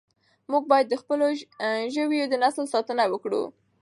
موږ باید د خپلو ژویو د نسل ساتنه وکړو.